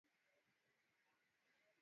Waliobarikiwa ni wengi sana.